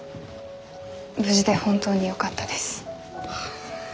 無事で本当によかったです。